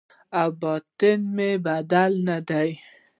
او باطن مې بدل نه دی